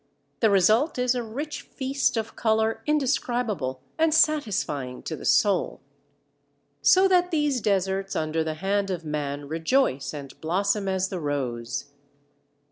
The result is a rich feast of colour indescribable and satisfying to the soul. So that these deserts under the hand of man rejoice and blossom as the rose.